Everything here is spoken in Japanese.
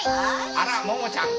あら桃ちゃん。